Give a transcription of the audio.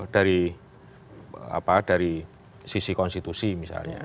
dari sisi konstitusi misalnya